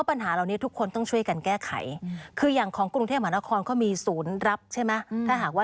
มาปิดท้ายค่ะคุณผู้ชมภาคุณฉันยาค่ะ